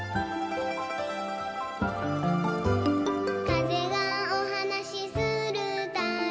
「かぜがおはなしするたび」